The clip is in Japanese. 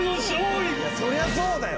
いやそりゃそうだよ！